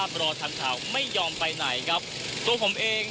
ติดตามการรายงานสดจากคุณทัศนายโค้ดทองค่ะ